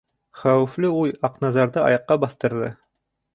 Хәүефле уй Аҡназарҙы аяҡҡа баҫтырҙы.